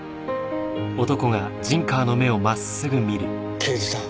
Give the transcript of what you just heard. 刑事さん。